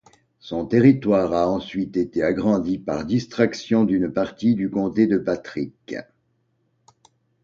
Son territoire a ensuite été agrandi par distraction d'une partie du comté de Patrick.